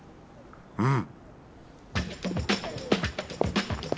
うん